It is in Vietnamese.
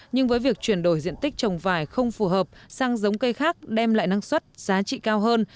nhưng với việc chuyển đổi diện tích trồng vải không phù hợp sang giống cây khác đem lại năng suất giá trị cao hơn